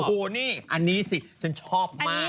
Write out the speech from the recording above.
อันนี้สิฉันชอบมาก